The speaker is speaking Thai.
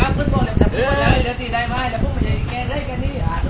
อ่านี่คุณหลบเลยนะพอเดี๋ยวว่าเดี๋ยวพูดตัวลักษณะหน้าหน่อย